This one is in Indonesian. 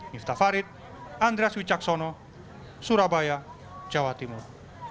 nifta farid andreas wicaksono surabaya jawa timur